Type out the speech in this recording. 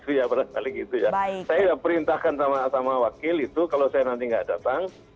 saya sudah perintahkan sama wakil itu kalau saya nanti nggak datang